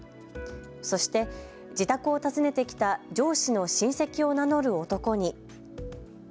そして自宅を訪ねてきた上司の親戚を名乗る男に。